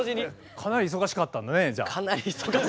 かなり忙しかったですね。